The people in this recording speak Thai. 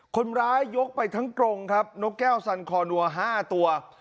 คนร้ายยกไปทั้งกรงครับนกแก้วสันคอนัว๕ตัว